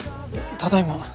ただいま。